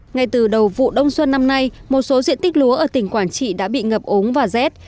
ngay từ đầu vụ đông xuân năm nay một số diện tích lúa ở tỉnh quảng trị đã bị ngập ống và rét